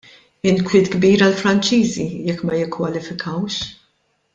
Inkwiet kbir għall-Franċiżi jekk ma jikkwalifikawx.